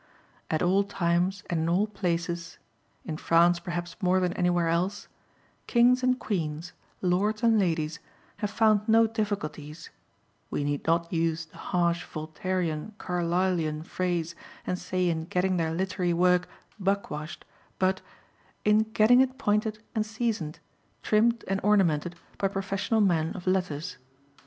At all times and in all places in France perhaps more than anywhere else kings and queens, lords and ladies, have found no difficulty (we need not use the harsh Voltairian Carlylian phrase, and say in getting their literary work "buckwashed," but) in getting it pointed and seasoned, trimmed and ornamented by professional men of letters.